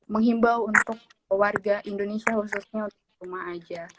menyimba untuk warga indonesia khususnya untuk rumah saja